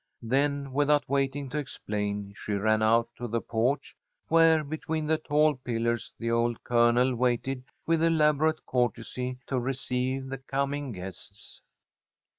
Then, without waiting to explain, she ran out to the porch, where, between the tall pillars, the old Colonel waited with elaborate courtesy to receive the coming guests.